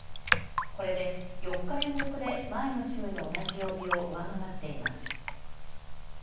これで４日連続で前の週の同じ曜日を上回っています。